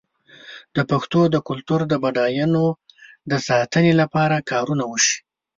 د پښتو د کلتور د بډاینو د ساتنې لپاره کارونه وشي.